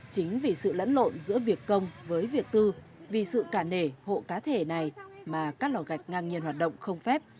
chính vì sự lẫn lộn giữa việc công với việc tư vì sự cả nể hộ cá thể này mà các lò gạch ngang nhiên hoạt động không phép